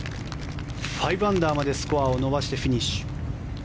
５アンダーまでスコアを伸ばしてフィニッシュ。